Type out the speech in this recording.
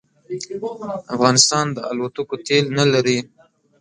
افغانستان د الوتکو تېل نه لري